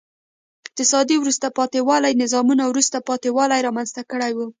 اقتصادي وروسته پاتې والي نظامي وروسته پاتې والی رامنځته کړی و.